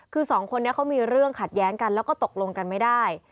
คือสองคนนี้เขามีเรื่องขัดแย้งกันแล้วก็ตกลงกันไม่ได้